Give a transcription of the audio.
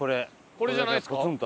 これじゃないですか？